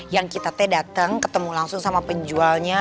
yang kita teh datang ketemu langsung sama penjualnya